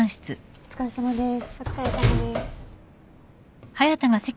お疲れさまです。